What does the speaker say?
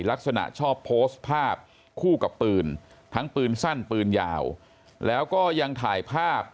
ลักษณะชอบโพสต์ภาพคู่กับปืนทั้งปืนสั้นปืนยาวแล้วก็ยังถ่ายภาพ